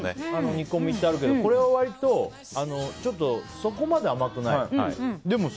煮込みってあるけどこれは割とそこまで甘くない。